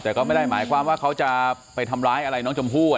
แต่ก็ไม่ได้หมายความว่าเขาจะไปทำร้ายอะไรน้องชมพู่